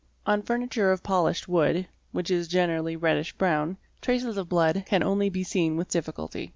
On furniture of polished wood (which is generally reddish brown), traces of blood can only be seen with difficulty.